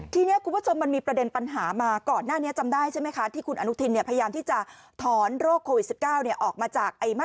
ทีนี้คุณผู้ชมมันมีประเด็นปัญหามา